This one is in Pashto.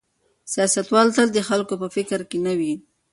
سیاستوال تل د خلکو په فکر کې نه وي.